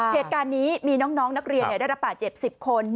เหตุการณ์นี้มีน้องนักเรียนได้รับบาดเจ็บ๑๐คน